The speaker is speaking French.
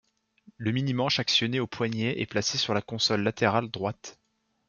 Le mini-manche actionné au poignet est placé sur la console latérale droite.